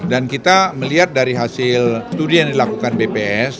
dan kita melihat dari hasil studi yang dilakukan bps